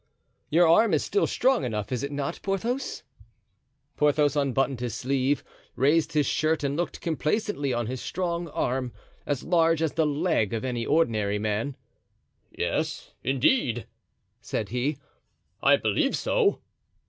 "Your arm is still strong enough, is it not, Porthos?" Porthos unbuttoned his sleeve, raised his shirt and looked complacently on his strong arm, as large as the leg of any ordinary man. "Yes, indeed," said he, "I believe so."